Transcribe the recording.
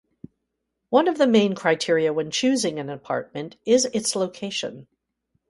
One of the main criteria when choosing an apartment is its location.